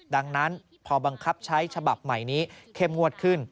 ดังนั้นพอบังคับใช้ฉบับใหม่นี้เข้มงวดขึ้น